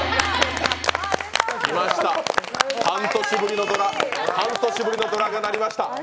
きました、半年ぶりのドラが鳴りました。